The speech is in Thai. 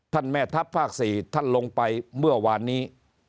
แม่ทัพภาค๔ท่านลงไปเมื่อวานนี้